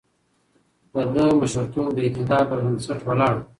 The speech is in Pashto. د ده مشرتوب د اعتدال پر بنسټ ولاړ و.